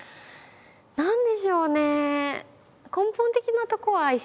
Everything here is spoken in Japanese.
何でしょうね？